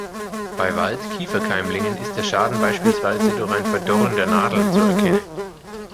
Bei Wald-Kieferkeimlingen ist der Schaden beispielsweise durch ein Verdorren der Nadeln zu erkennen.